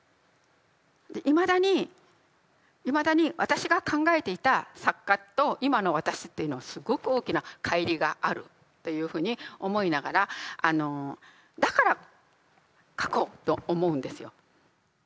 いまだにいまだに私が考えていた作家と今の私っていうのはすごく大きな乖離があるっていうふうに思いながらだから書こうと思うんですよ。